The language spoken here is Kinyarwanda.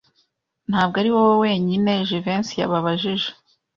Ntabwo ari wowe wenyine Jivency yabajije.